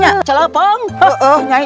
iya nyai cilapong nyai